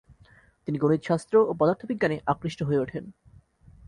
তিনি গণিতশাস্ত্র ও পদার্থবিজ্ঞানে আকৃষ্ট হয়ে ওঠেন।